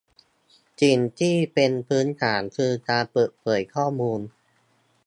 สิ่งที่เป็นพื้นฐานคือการเปิดเผยข้อมูล